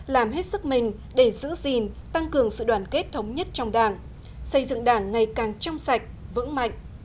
làm hết sức mình để giữ gìn tăng cường sự đoàn kết thống nhất trong đảng xây dựng đảng ngày càng trong sạch vững mạnh